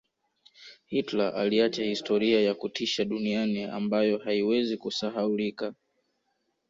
Hitler aliacha historia ya kutisha duniani ambayo haiwezi kusahaulika